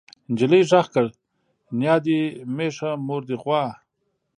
نجلۍ غږ کړ نيا دې مېښه مور دې غوا.